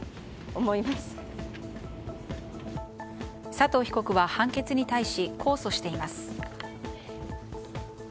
佐藤被告は判決に対し控訴しています。